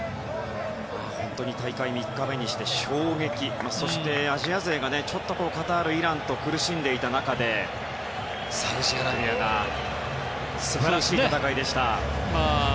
本当に大会３日目にして衝撃そしてアジア勢がちょっとカタール、イランと苦しんでいた中サウジアラビアが素晴らしい戦いでした。